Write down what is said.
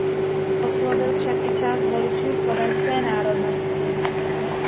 Oslovil však i část voličů slovenské národnosti.